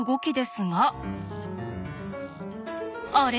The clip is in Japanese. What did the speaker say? あれ？